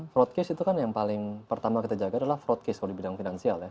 fraud case itu kan yang paling pertama kita jaga adalah fraud case kalau di bidang finansial ya